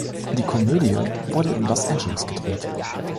Die Komödie wurde in Los Angeles gedreht.